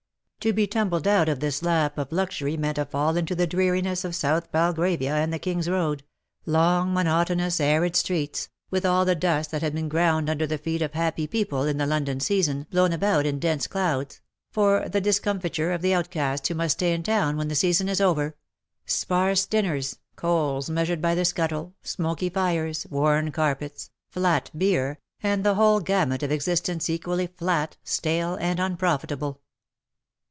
To be tumbled out of this lap of luxury meant a fall into the dreariness of South Belgravia and the King's Road — long, monotonous, arid streets, with all the dust that had been ground under the feet of happy people in the London season blown about in dense TEARS AND TREASONS. 307 clouds, for the discomfiture of the outcasts who must stay in town when the season is over; sparse dinners, coals measured by the scuttle, smoky fires, worn carpets, flat beer, and the whole gamut of existence equally flat, stale, and unprofitable.